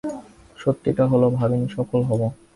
সত্যিটা হল, ভাবিনি সফল হব।